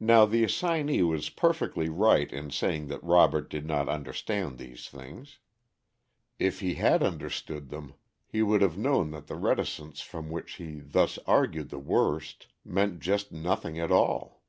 Now the assignee was perfectly right in saying that Robert did not understand these things. If he had understood them he would have known that the reticence from which he thus argued the worst, meant just nothing at all.